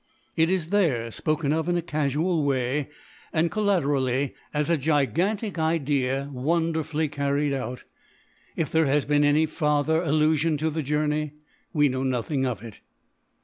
It is there spoken of in a casual way, and collaterally, as "a gigantic idea wonderfully carried out." If there has been any farther allusion to the journey, we know nothing of it.